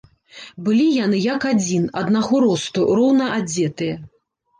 Былі яны як адзін, аднаго росту, роўна адзетыя.